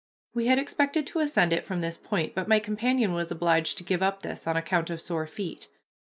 We had expected to ascend it from this point, but my companion was obliged to give up this on account of sore feet.